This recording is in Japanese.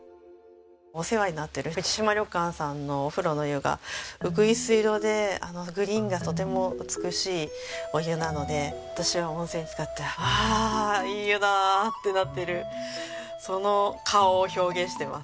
お世話になってる藤島旅館さんのお風呂の湯がうぐいす色でグリーンがとても美しいお湯なので私が温泉につかって「ああいい湯だ」ってなってるその顔を表現してます。